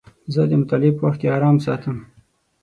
زه د مطالعې په وخت کې ارام ساتم.